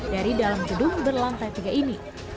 dari dalam gedung berlantai tiga ini